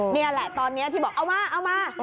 นี่แหละตอนนี้ที่บอกเอามาเอามา